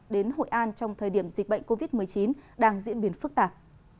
đến hội an trong thời điểm dịch bệnh covid một mươi chín đang diễn biến phức tạp